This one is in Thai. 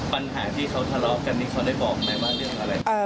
ปัญหาที่เขาทะเลาะกันนี่เขาได้บอกไหมว่าเรื่องอะไร